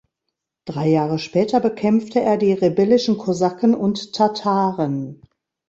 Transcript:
Drei Jahre später bekämpfte er die rebellischen Kosaken und Tataren.